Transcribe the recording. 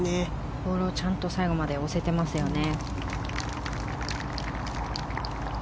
ボールをちゃんと最後まで押せていますよね。